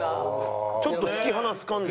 ちょっと突き放す感じ。